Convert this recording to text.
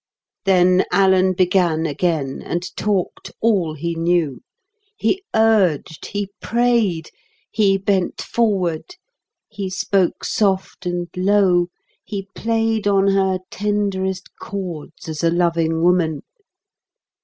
Then Alan began again and talked all he knew. He urged, he prayed, he bent forward, he spoke soft and low, he played on her tenderest chords as a loving woman.